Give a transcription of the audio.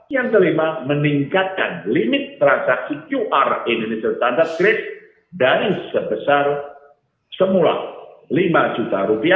yang kelima meningkatkan limit transaksi qr indonesia tanda kredit dari sebesar semula rp lima